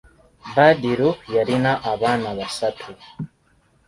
Badru yalina abaana basatu.